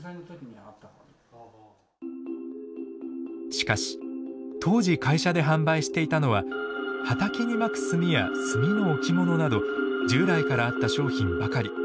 しかし当時会社で販売していたのは畑にまく炭や炭の置物など従来からあった商品ばかり。